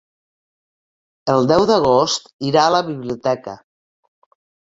El deu d'agost irà a la biblioteca.